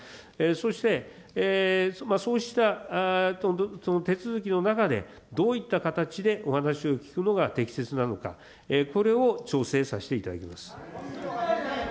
そして、そうしたその手続きの中でどういった形でお話を聞くのが適切なのか、これを調整させていただきます。